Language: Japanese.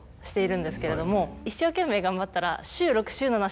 一生懸命頑張ったら。